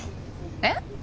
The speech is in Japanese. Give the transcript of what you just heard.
えっ？